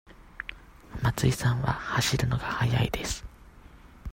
松井さんは走るのが速いです。